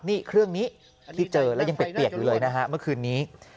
นี่เครื่องนี้ที่เจอแล้วยังเปียกอยู่เลยนะฮะเมื่อคืนนี้